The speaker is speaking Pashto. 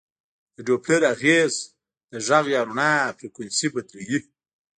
د ډوپلر اغېز د غږ یا رڼا فریکونسي بدلوي.